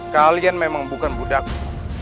kalian memang bukan budakmu